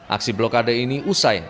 aksi blokade ini usai